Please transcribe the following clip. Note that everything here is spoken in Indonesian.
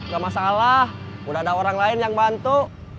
gak masalah udah ada orang lain yang bantu